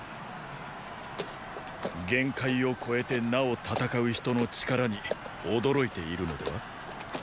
限界を超えてなお戦う人の力に驚いているのでは？